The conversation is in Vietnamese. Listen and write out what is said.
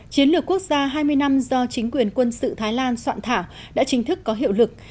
chiến lược quốc gia hai mươi năm do chính quyền quân sự thái lan soạn thảo đã chính thức có hiệu lực